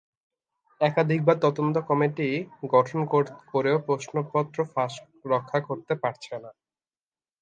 একাধিকবার তদন্ত কমিটি গঠন করেও প্রশ্নপত্র ফাঁস রক্ষা করতে পারছে না।